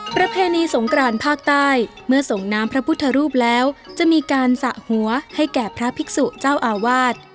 ประเพณีสงกรานภาคใต้เมื่อส่งน้ำพระพุทธรูปแล้วจะมีการสระหัวให้แก่พระภิกษุเจ้าอาวาส